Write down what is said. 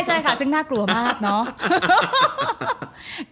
ใช่ค่ะซึ่งน่ากลัวมากเนาะ